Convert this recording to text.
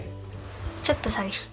ちょっと寂しい。